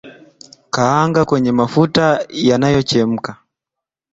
Kaanga kwenye mafuta yanayochemka